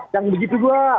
yang begitu juga